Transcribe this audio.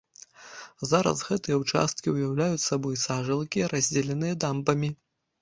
Зараз гэтыя ўчасткі ўяўляюць сабой сажалкі, раздзеленыя дамбамі.